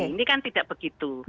ini kan tidak begitu